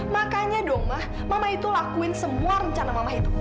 makanya dong maha maha itu lakuin semua rencana maha itu